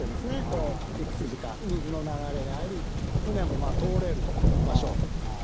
こう幾筋か水の流れがあり船も通れる場所。